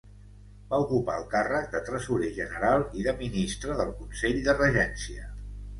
Va ocupar el càrrec de Tresorer general i de Ministre del Consell de Regència.